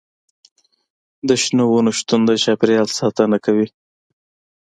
د شنو ونو شتون د چاپیریال ساتنه کوي.